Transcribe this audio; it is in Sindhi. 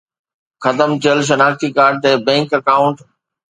ختم ٿيل شناختي ڪارڊ تي بينڪ اڪائونٽ